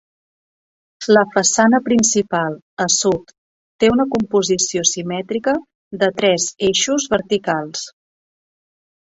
La façana principal, a sud, té una composició simètrica de tres eixos verticals.